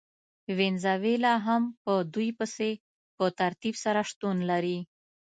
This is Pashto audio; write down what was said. وینزویلا هم په دوی پسې په ترتیب سره شتون لري.